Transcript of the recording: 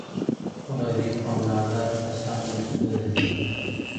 غریب او ناداره کسان مجبوره دي